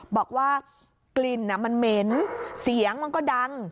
บอกว่ากลิ่นมันเหม็นเสียงมันก็ดัง